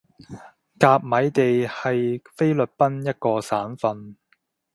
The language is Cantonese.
甲米地係菲律賓一個省份